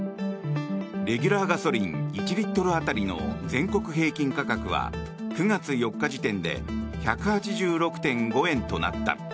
レギュラーガソリン１リットル当たりの全国平均価格は９月４日時点で１８６．５円となった。